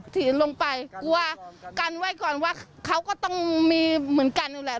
ถือลงไปกลัวกันไว้ก่อนว่าเขาก็ต้องมีเหมือนกันนั่นแหละ